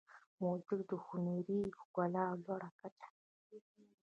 موزیک د هنري ښکلا لوړه کچه ده.